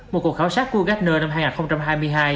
một cuộc khảo sát của gartner năm hai nghìn hai mươi hai